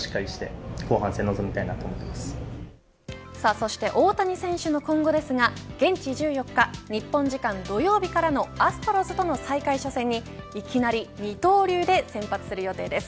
そして大谷選手の今後ですが現地１４日日本時間、土曜日からのアストロズとの再開初戦にいきなり二刀流で先発する予定です。